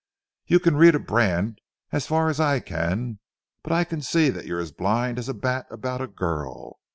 You can read a brand as far as I can, but I can see that you're as blind as a bat about a girl.